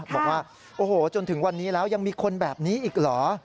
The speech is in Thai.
บอกว่าโอ้โหจนถึงวันนี้แล้วยังมีคนแบบนี้อีกเหรอ